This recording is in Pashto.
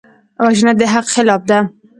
وژنه د حق خلاف ده